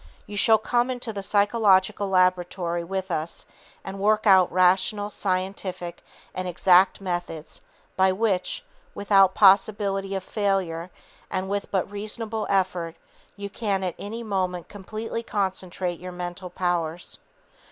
You shall come into the psychological laboratory with us and work out rational, scientific and exact methods by which, without possibility of failure and with but reasonable effort, you can at any moment completely concentrate your mental powers.